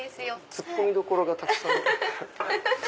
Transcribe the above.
ツッコミどころがたくさん。